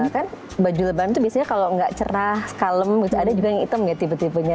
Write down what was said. kan baju lebam itu biasanya kalau nggak cerah kalem ada juga yang hitam ya tiba tibanya